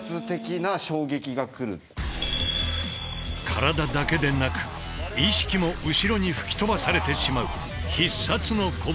体だけでなく意識も後ろに吹き飛ばされてしまう必殺の拳。